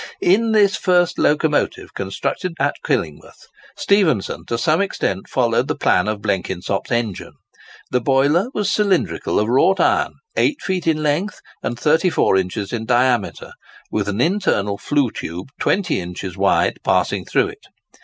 In this first locomotive constructed at Killingworth, Stephenson to some extent followed the plan of Blenkinsop's engine. The boiler was cylindrical, of wrought iron, 8 feet in length and 34 inches in diameter, with an internal flue tube 20 inches wide passing through it.